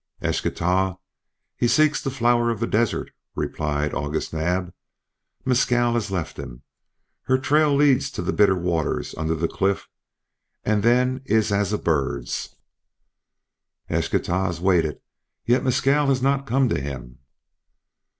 "Eschtah, he seeks the Flower of the Desert," replied August Naab. "Mescal has left him. Her trail leads to the bitter waters under the cliff, and then is as a bird's." "Eschtah has waited, yet Mescal has not come to him."